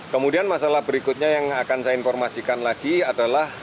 kemudian masalah berikutnya yang akan saya informasikan lagi adalah